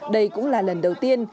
đây cũng là lần đầu tiên